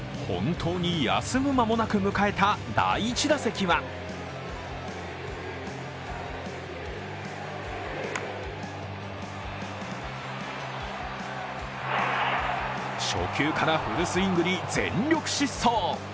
本当に休む間もなく迎えた第１打席は初球からフルスイングに全力疾走。